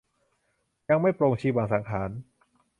ยังไม่ปลงชีวังสังขาร์